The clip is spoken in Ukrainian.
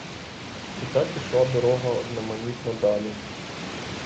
І так ішла дорога одноманітно далі.